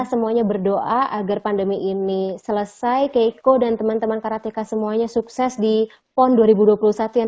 semuanya berdoa agar pandemi ini selesai keiko dan teman teman karateka semuanya sukses di pon dua ribu dua puluh satu yang